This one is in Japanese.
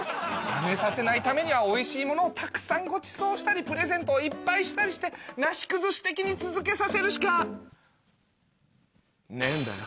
やめさせないためにはおいしいものをたくさんごちそうしたりプレゼントをいっぱいしたりしてなし崩し的に続けさせるしかねえんだよ。